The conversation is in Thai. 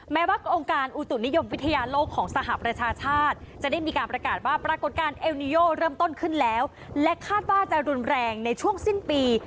แม้ว่าองค์การอุตุนิยมวิทยาโลกของสหประชาชาติจะได้มีการประกาศว่าปรากฏการณ์เอลนิโยเริ่มต้นขึ้นแล้วและคาดว่าจะรุนแรงในช่วงสิ้นปี